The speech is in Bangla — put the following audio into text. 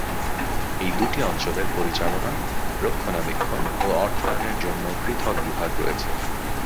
এই দুটি অঞ্চলের পরিচালনা, রক্ষণাবেক্ষণ ও অর্থায়নের জন্য পৃথক বিভাগ রয়েছে।